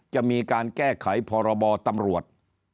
จะมีการแก้ไขพรบตำรวจ